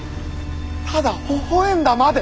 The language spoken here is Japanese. ただほほ笑んだまで！